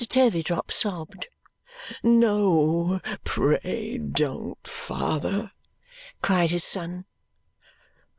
Turveydrop sobbed. "No, pray don't, father!" cried his son.